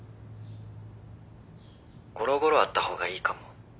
ゴロゴロあった方がいいかも。